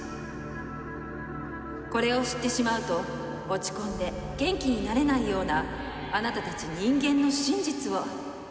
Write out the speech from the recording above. これを知ってしまうと落ち込んで元気になれないようなあなたたち人間の真実を教えてあげる。